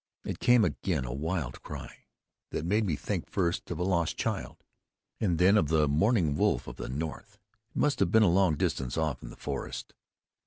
It came again, a wild cry, that made me think first of a lost child, and then of the mourning wolf of the north. It must have been a long distance off in the forest.